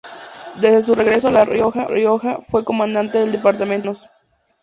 Desde su regreso a La Rioja fue comandante del Departamento de Los Llanos.